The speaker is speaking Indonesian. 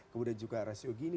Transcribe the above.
kemudian juga rasio gini